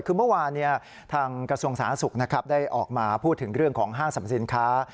คือเมื่อวานทางกระทรวงสาธารณสุขนะครับได้ออกมาพูดถึงเรื่องของห้างสรรพสินค้า